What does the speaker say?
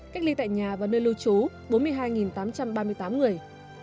cách ly tại nhà và nơi lưu trú bốn mươi hai tám trăm ba mươi tám người